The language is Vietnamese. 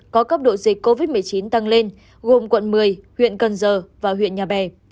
có cấp độ dịch covid một mươi chín tăng lên gồm quận một mươi huyện cần giờ và huyện nhà bè